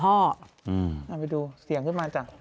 เอาไปดูเสียงขึ้นมาจาก